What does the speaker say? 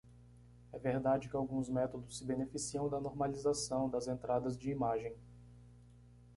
É verdade que alguns métodos se beneficiam da normalização das entradas de imagem.